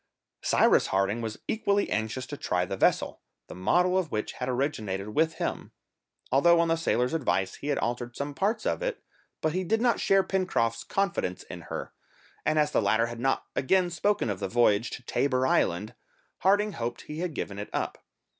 [Illustration: THE TRIAL TRIP] Cyrus Harding was equally anxious to try the vessel, the model of which had originated with him, although on the sailor's advice he had altered some parts of it, but he did not share Pencroft's confidence in her, and as the latter had not again spoken of the voyage to Tabor Island, Harding hoped he had given it up.